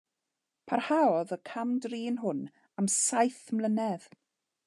Parhaodd y cam-drin hwn am saith mlynedd.